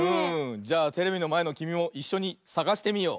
じゃあテレビのまえのきみもいっしょにさがしてみよう！